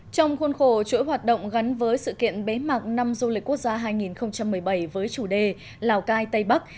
trong khuôn khổ chuỗi hoạt động gắn với sự kiện bế mạc năm du lịch quốc gia hai nghìn một mươi bảy với chủ đề lào cai tây bắc